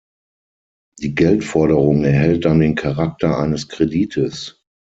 Die Geldforderung erhält dann den Charakter eines Kredites.